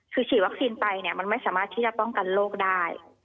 คือฉีดวัคซีนไปเนี่ยมันไม่สามารถที่จะป้องกันโรคได้